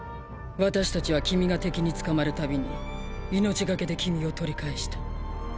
私たちは君が敵に捕まるたびに命懸けで君を取り返した。